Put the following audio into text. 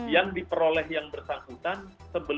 yang diperoleh yang bersangkutan itu nilai pasar